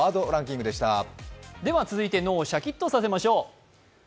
続いて脳をシャキッとさせましょう。